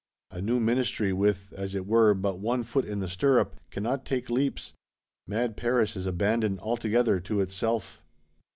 A new Ministry, with, as it were, but one foot in the stirrup, cannot take leaps. Mad Paris is abandoned altogether to itself.